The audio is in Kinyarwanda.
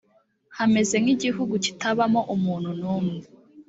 hameze nkigihugu kitabamo umuntu numwe.